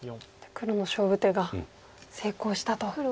黒の勝負手が成功したと。